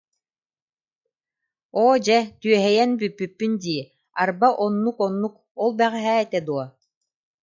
Оо, дьэ, түөһэйэн бүппүппүн дии, арба, оннук-оннук, ол бэҕэһээ этэ дуо